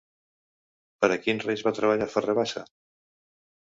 Per a quins reis va treballar Ferrer Bassa?